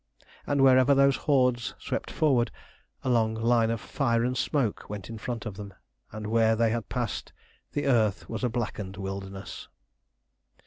And wherever those hordes swept forward, a long line of fire and smoke went in front of them, and where they had passed the earth was a blackened wilderness.